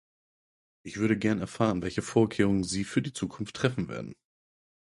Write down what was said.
Ich würde gerne erfahren, welche Vorkehrungen Sie für die Zukunft treffen werden.